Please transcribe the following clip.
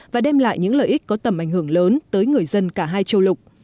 và đem lại những lợi ích có tầm ảnh hưởng lớn tới người dân cả hai châu lục